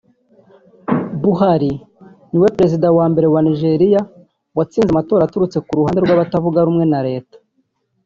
Buhari niwe mu Perezida wa mbere wa Nigeria watsinze amatora aturutse ko ruhande rw’abatavuga rumwe na leta